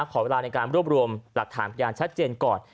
ขอเวลาในการรวบรวมหลักฐานพยานชัดเจนก่อน